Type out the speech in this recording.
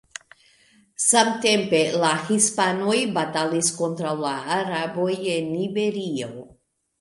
Samtempe, la hispanoj batalis kontraŭ la araboj en Iberio.